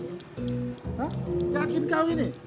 hah yakin kau ini